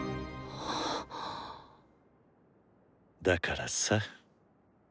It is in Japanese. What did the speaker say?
だからさ